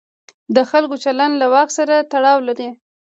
د خلکو چلند له واک سره تړاو لري.